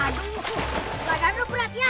gak ada lu beratnya